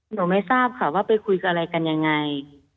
หนูไม่ทราบค่ะว่าไปคุยกับอะไรกันยังไง